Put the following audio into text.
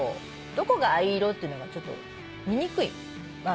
「どこが藍色」っていうのがちょっと見にくい。